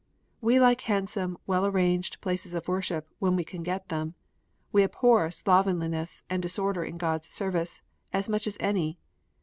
We like handsome, well arranged places of worship, when we can get them. We abhor slovenli ness and disorder in God s service, as much as any.